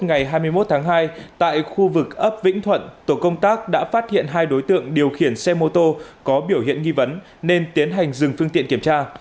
ngày hai mươi một tháng hai tại khu vực ấp vĩnh thuận tổ công tác đã phát hiện hai đối tượng điều khiển xe mô tô có biểu hiện nghi vấn nên tiến hành dừng phương tiện kiểm tra